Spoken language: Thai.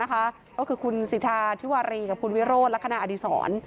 ก็คือคุณสิทธาธิวารีกับคุณวิโรธลักษณะอดีศร